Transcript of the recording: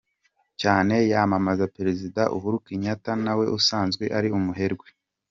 cyane yamamaza Perezida Uhuru Kenyatta nawe usanzwe ari umuherwe.